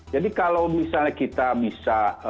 jadi kalau misalnya kita bisa